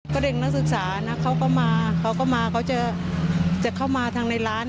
ก็เด็กนักศึกษานะเขาก็มาเขาก็มาเขาจะเข้ามาทางในร้าน